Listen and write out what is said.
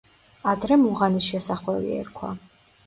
ადრე მუღანის შესახვევი ერქვა.